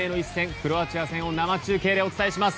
クロアチア戦を生中継でお伝えします。